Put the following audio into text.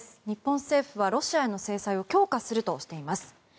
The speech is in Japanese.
日本政府はロシアへの制裁を強化するとしています。